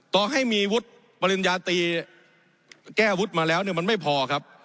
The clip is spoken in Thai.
ต่อให้มีวุฒิปริญญาตรีแก้วุฒิมาแล้วเนี่ยมันไม่พอครับ